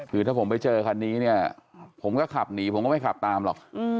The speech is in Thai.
คือถ้าผมไปเจอคันนี้เนี่ยผมก็ขับหนีผมก็ไม่ขับตามหรอก